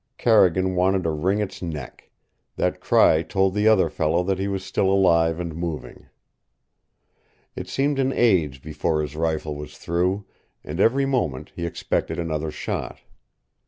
Carrigan wanted to wring its neck. That cry told the other fellow that he was still alive and moving. It seemed an age before his rifle was through, and every moment he expected another shot.